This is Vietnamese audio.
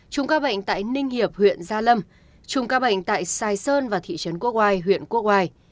trùng ca bệnh tại ninh hiệp huyện gia lâm trùng ca bệnh tại sài sơn và thị trấn quốc oai huyện quốc oai